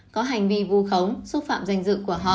có hành vi vu khống xúc phạm danh dự của họ